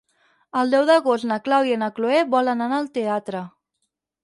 El deu d'agost na Clàudia i na Cloè volen anar al teatre.